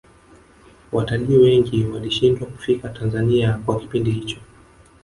watalii wengi walishindwa kufika tanzania kwa kipindi hicho